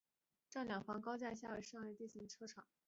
站房两侧高架下为商业设施与自行车停车场。